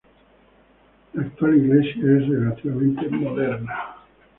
La actual iglesia es relativamente moderna.